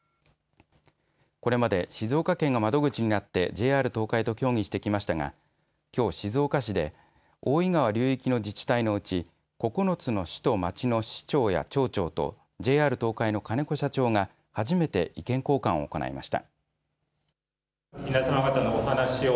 これまで静岡県が窓口になってＪＲ東海と協議してきましたがきょう静岡市で大井川流域の自治体のうち９つの市と町の市長や町長とＪＲ東海の金子社長が初めて意見交換を行いました。